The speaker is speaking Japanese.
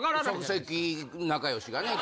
即席仲良しがね